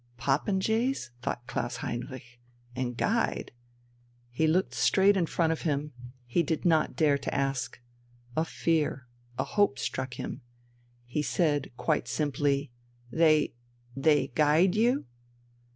Popinjays? thought Klaus Heinrich ... and guyed? He looked straight in front of him, he did not dare to ask. A fear, a hope struck him.... He said quite simply: "They ... they guyed you?"